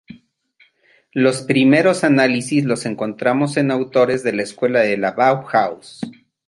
Los primeros análisis los encontramos en autores de la Escuela de la Bauhaus.